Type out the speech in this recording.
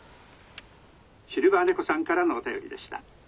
シルバーねこさんからのお便りでした。